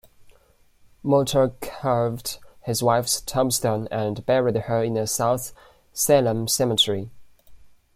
Morter carved his wife's tombstone and buried her in the South Salem Cemetery.